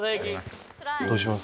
どうします？